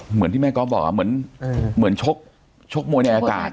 เหมือนที่แม่ก๊อฟบอกว่าเหมือนชกมวยในอากาศ